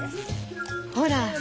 ほら！